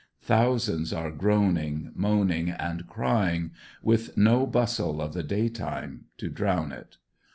Thousands are groaning, moaning and cry ing, with no bustle of the daytime to drown it.